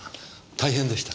大変でしたね。